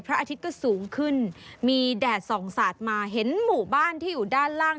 อาทิตย์ก็สูงขึ้นมีแดดส่องสาดมาเห็นหมู่บ้านที่อยู่ด้านล่าง